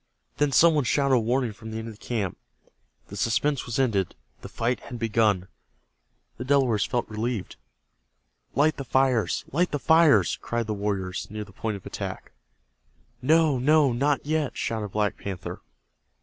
Then some one shouted a warning from the end of the camp. The suspense was ended. The fight had begun. The Delawares felt relieved. "Light the fires! Light the fires!" cried the warriors near the point of attack. "No, no, not yet!" shouted Black Panther.